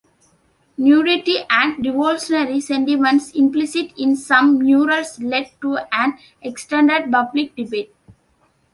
Nudity and revolutionary sentiments implicit in some murals led to an extended public debate.